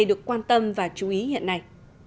được quan tâm và chú ý hiện nay